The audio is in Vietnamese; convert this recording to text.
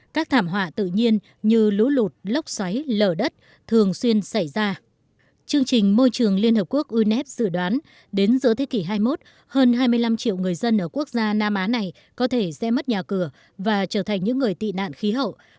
chương trình môi trường liên hợp quốc unef dự đoán đến giữa thế kỷ hai mươi một hơn hai mươi năm triệu người dân ở quốc gia nam á này có thể sẽ mất nhà cửa và trở thành những người tị nạn khí hậu